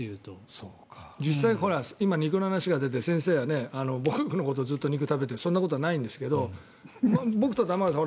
実際今、肉の話が出て先生は僕のことをずっと肉食べてってそんなことはないんですけど僕と玉川さん